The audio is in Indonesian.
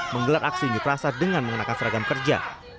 menggelar aksi nyukrasa dengan mengenakan seragam kerja